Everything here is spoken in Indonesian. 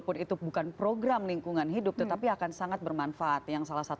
penjahat lingkungan itu adalah track record